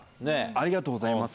ありがとうございます。